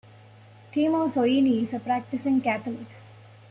Timo Soini is a practising Catholic.